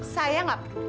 saya gak perlu